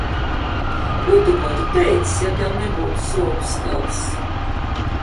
Ko tu būtu teicis, ja tev nebūtu zobu skavas?